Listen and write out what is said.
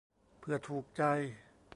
เผื่อถูกใจ